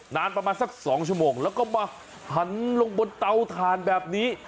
นานประมาณสัก๒ชั่วโมงแล้วก็มาหันลงบนเตาถ่านแบบนี้